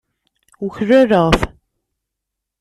Uklaleɣ-t.